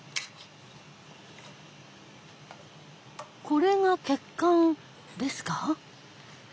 これが血管ですか？